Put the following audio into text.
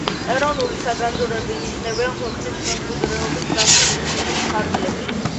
ეროვნული საგანძურები ინიშნებიან ქვეყნის მემკვიდრეობის დაცვის სისტემის ფარგლებში.